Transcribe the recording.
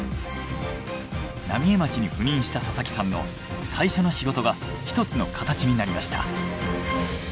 浪江町に赴任した佐々木さんの最初の仕事が一つの形になりました。